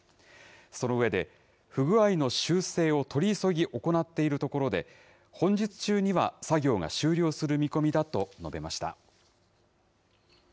その上で、不具合の修正を取り急ぎ行っているところで、本日中には作業が終了する見込みだと述べました。